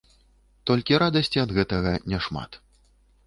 Толькі радасці ад гэтага няшмат.